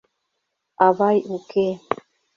Авай уке.